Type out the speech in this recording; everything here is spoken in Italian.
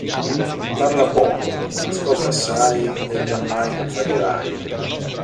Parla poco, ascolta assai e giammai non fallirai.